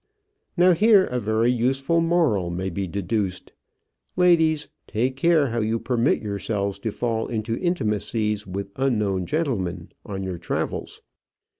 Now here a very useful moral may be deduced. Ladies, take care how you permit yourselves to fall into intimacies with unknown gentlemen on your travels.